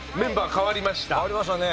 変わりましたね。